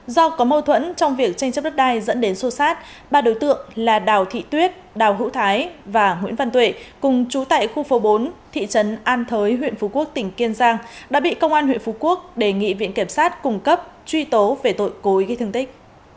do có mâu thuẫn trong việc tranh chấp đất đai dẫn đến sô sát ba đối tượng là đào thị tuyết đào hữu thái và nguyễn văn tuệ cùng chú tại khu phố bốn thị trấn an thới huyện phú quốc tỉnh kiên giang đã bị công an huyện phú quốc đề nghị viện kiểm sát cung cấp truy tố về tội cố ý gây thương tích